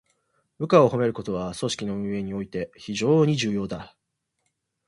部下を褒めることは、組織の運営において非常に重要だ。